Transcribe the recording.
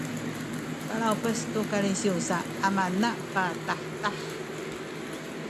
palawpes tu kalisiw sa amana patahtah